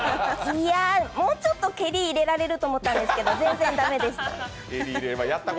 もうちょっと蹴りいれられると思ったんですけど全然駄目でした。